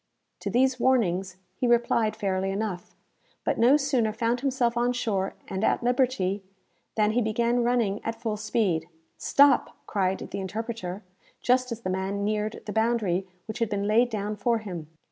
To these warnings he replied fairly enough, but no sooner found himself on shore, and at liberty, than he began running at full speed. "Stop!" cried the interpreter, just as the man neared the boundary which had been laid down for him.